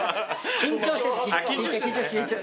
緊張して。